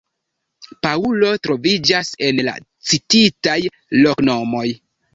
Paŭlo troviĝas en la cititaj loknomoj.